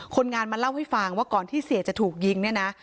คนงานมาเล่าให้ฟังว่าก่อนที่เสียจะถูกยิงเนี่ยนะ